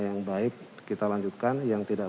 yang baik kita lanjutkan yang tidak